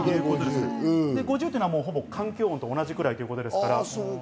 ５０というのは、ほぼ環境音と同じくらいっていうことです。